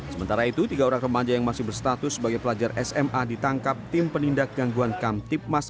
sementara itu tiga orang remaja yang masih berstatus sebagai pelajar sma ditangkap tim penindak gangguan kamtipmas